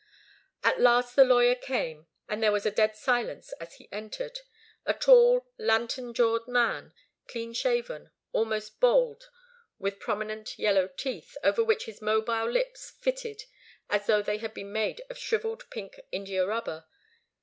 At last the lawyer came, and there was a dead silence as he entered a tall, lantern jawed man, clean shaven, almost bald, with prominent yellow teeth, over which his mobile lips fitted as though they had been made of shrivelled pink indiarubber.